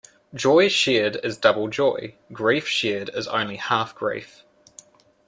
Joy shared is double joy; grief shared is only half grief.